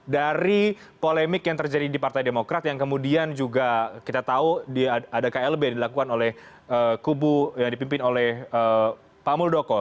dari polemik yang terjadi di partai demokrat yang kemudian juga kita tahu ada klb yang dilakukan oleh kubu yang dipimpin oleh pak muldoko